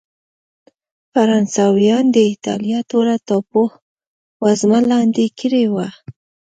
فرانسویانو د اېټالیا ټوله ټاپو وزمه لاندې کړې وه.